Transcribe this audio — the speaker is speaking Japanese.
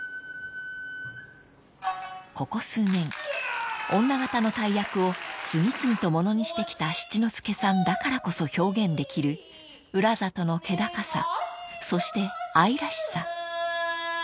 ［ここ数年女形の大役を次々と物にしてきた七之助さんだからこそ表現できる浦里の気高さそして愛らしさ］